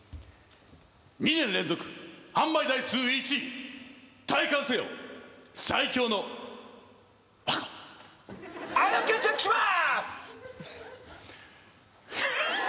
２年連続販売台数１位体感せよ最強のワゴンはいオーケーチェックします！